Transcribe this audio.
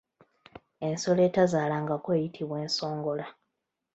Ensolo etezaalangako eyitibwa ensogola.